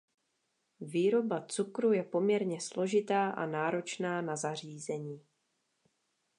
Výroba cukru je poměrně složitá a náročná na zařízení.